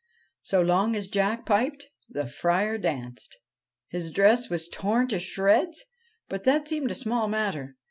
So long as Jack piped, the Friar danced. His dress was torn to shreds, but that seemed a small matter.